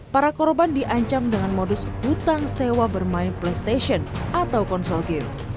para korban diancam dengan modus hutang sewa bermain playstation atau konsol game